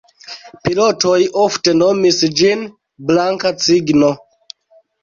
Pilotoj ofte nomis ĝin "Blanka Cigno".